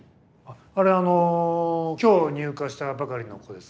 あれはあの今日入荷したばかりの子です。